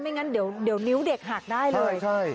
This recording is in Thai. งั้นเดี๋ยวนิ้วเด็กหักได้เลย